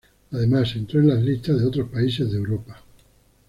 Además, entró en las listas de otros países de Europa.